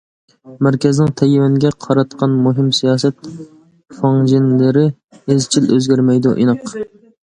مەركەزنىڭ تەيۋەنگە قاراتقان مۇھىم سىياسەت، فاڭجېنلىرى ئىزچىل ئۆزگەرمەيدۇ، ئېنىق.